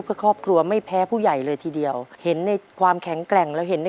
เพื่อครอบครัวไม่แพ้ผู้ใหญ่เลยทีเดียวเห็นในความแข็งแกร่งแล้วเห็นใน